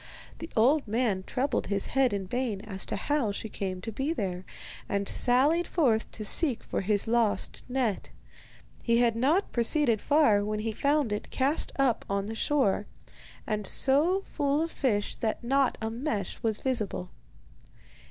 The old man troubled his head in vain as to how she came there, and sallied forth to seek for his lost net. He had not proceeded far when he found it cast up on the shore, and so full of fish that not a mesh was visible.